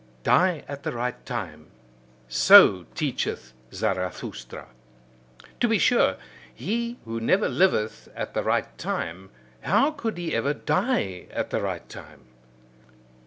Die at the right time: so teacheth Zarathustra. To be sure, he who never liveth at the right time, how could he ever die at the right time?